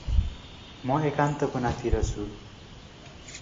म एकान्तकुना तिर छु ।